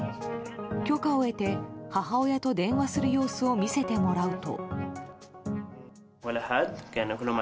許可を得て、母親と電話する様子を見せてもらうと。